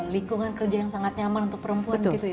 lingkungan kerja yang sangat nyaman untuk perempuan gitu ya